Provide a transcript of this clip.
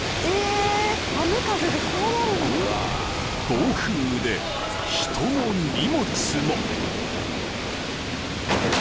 ［暴風雨で人も荷物も］